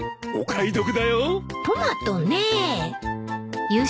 トマトねえ。